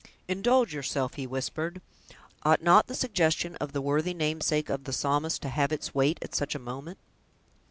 "Indulge yourself," he whispered; "ought not the suggestion of the worthy namesake of the Psalmist to have its weight at such a moment?"